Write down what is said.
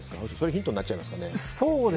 ヒントになっちゃいますかね？